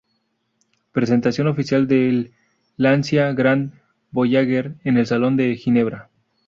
Presentación oficial del Lancia Grand Voyager en el salón de Ginebra